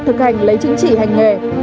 thực hành lấy chứng chỉ hành nghề